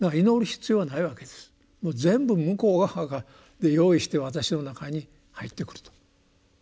もう全部向こう側が用意して私の中に入ってくると。